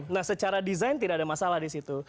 nah secara desain tidak ada masalah disitu